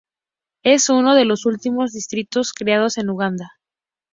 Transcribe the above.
Es uno de los últimos distritos creados en Uganda.